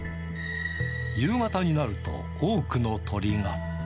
夕方になると、多くの鳥が。